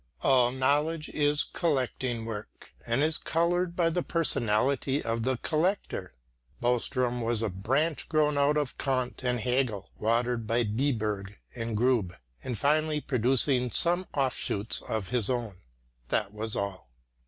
All knowledge is collecting work, and is coloured by the personality of the collector. Boström was a branch grown out of Kant and Hegel, watered by Biberg and Grubbe, and finally producing some offshoots of his own. That was all.